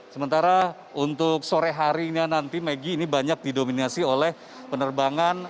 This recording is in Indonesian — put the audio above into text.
sementara untuk sore harinya nanti maggie ini banyak didominasi oleh penerbangan